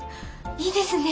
いいですね！